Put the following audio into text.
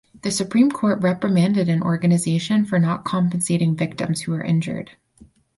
The Supreme Court reprimanded an organization for not compensating victims who were injured.